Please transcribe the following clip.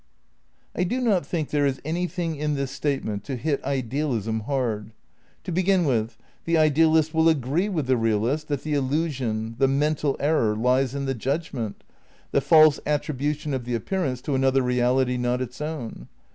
I do not think there is anything in this statement to hit idealism hard. To begin with, the idealist will agree with the realist that the illusion, the mental error, lies in the judgment, the false attribution of the appear ance to another reality not its own.